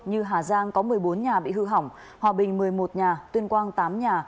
như hà giang có một mươi bốn nhà bị hư hỏng hòa bình một mươi một nhà tuyên quang tám nhà